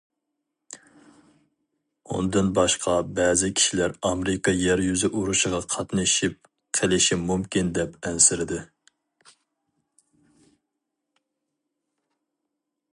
ئۇندىن باشقا بەزى كىشىلەر ئامېرىكا يەر يۈزى ئۇرۇشىغا قاتنىشىپ قېلىشى مۇمكىن دەپ ئەنسىرىدى.